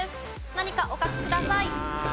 何かお書きください。